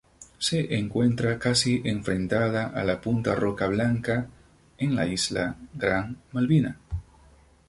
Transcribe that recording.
Se encuentra casi enfrentada a la punta Roca Blanca en la isla Gran Malvina.